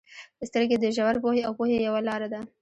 • سترګې د ژور پوهې او پوهې یوه لاره ده.